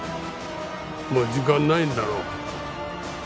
もう時間ないんだろう。